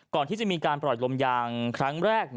ก่อนที่จะมีการปล่อยลมยางครั้งแรก